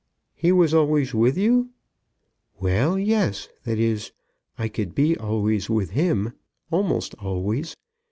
"He was always with you." "Well; yes; that is, I could be always with him, almost always.